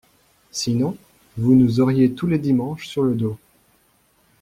Sinon, vous nous auriez tous les dimanches sur le dos.